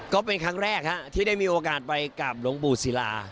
ก็เป็นครั้งแรกที่ได้มีโอกาสไปกับหลวงปู่ศิลา